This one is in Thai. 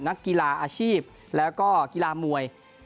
นักกีฬาอาชีพแล้วก็กีฬามวย